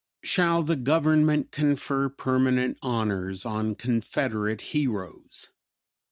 SHALL THE GOVERNMENT CONFER PERMANENT HONORS ON CONFEDERATE HEROES?